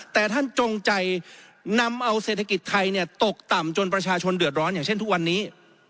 แต่ท่านจงใจนำเอาเศรษฐกิจไทยตกต่ำจนประชาชนเดือดร้อนอย่างเช่นทุกวันนี้